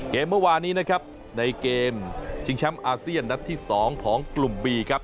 เมื่อวานี้นะครับในเกมชิงแชมป์อาเซียนนัดที่๒ของกลุ่มบีครับ